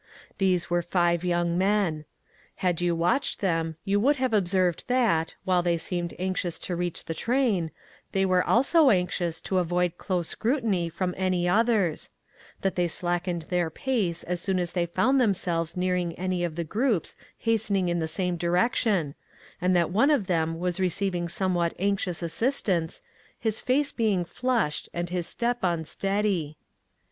These were five young men. Had you watched them you would have observed that, while they seemed anxious to reach the train, they were also anxious to avoid close scrutiny from any SEVERAL STARTLING POINTS. 133 others ; that they slackened their pace ;is soon as they found themselves nearing any of the groups hastening in the same direc tion, and that one of them was receiving somewhat anxious assistance, his face being Hushed, and his step unsteady.